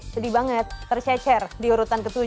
sedih banget tercecer di urutan ke tujuh